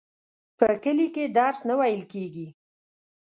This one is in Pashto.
په کلي کي درس نه وویل کیږي.